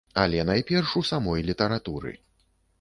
Але найперш у самой літаратуры.